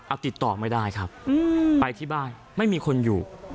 เอาติดต่อไม่ได้ครับไปที่บ้านไม่มีคนอยู่